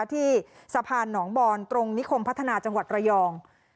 ที่สะพานหนองบอนตรงนิคมพัฒนาจังหวัดระยอง